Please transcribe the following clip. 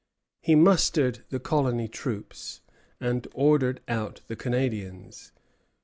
He mustered the colony troops, and ordered out the Canadians.